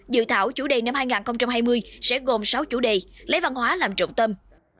dự thảo chủ đề năm hai nghìn hai mươi sẽ gồm sáu chủ đề lấy văn hóa làm trọng tâm